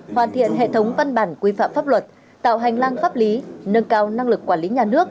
hoàn thiện hệ thống văn bản quy phạm pháp luật tạo hành lang pháp lý nâng cao năng lực quản lý nhà nước